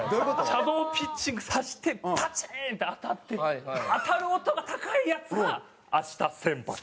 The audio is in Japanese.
シャドーピッチングさせてパチン！って当たって当たる音が高いヤツが明日先発。